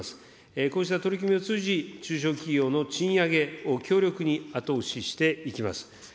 こうした取り組みを通じ、中小企業の賃上げを強力に後押ししていきます。